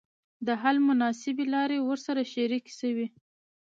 د حل مناسبي لاري ورسره شریکي سوې.